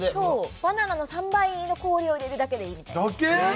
バナナの３倍の氷を入れるだけでいいみたいですだけ？